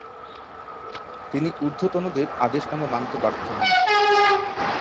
তিনি ঊর্ধ্বতনদের আদেশনামা মানতে বাধ্য হন।